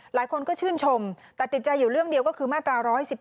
หลายคนก็ชื่นชมแต่ติดใจอยู่เรื่องเดียวก็คือมาตรา๑๑๒